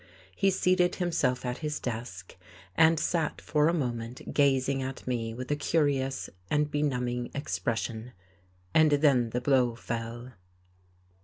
He seated himself at his desk, and sat for a moment gazing at me with a curious and benumbing expression, and then the blow fell.